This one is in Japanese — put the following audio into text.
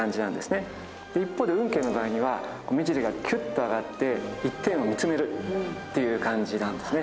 一方で運慶の場合には目尻がキュッと上がって１点を見つめるっていう感じなんですね。